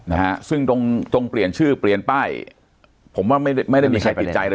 นะฮะซึ่งตรงตรงเปลี่ยนชื่อเปลี่ยนป้ายผมว่าไม่ได้ไม่ได้มีใครติดใจอะไร